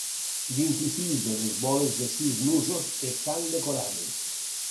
Vint-i-sis de les boles de sis nusos estan decorades.